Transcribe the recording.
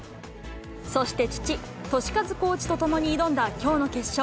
そして父、俊一コーチと共に挑んだきょうの決勝。